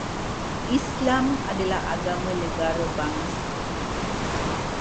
Islam adalah agama negara bangsa